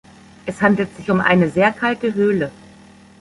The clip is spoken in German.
Es handelt sich um eine sehr kalte Höhle.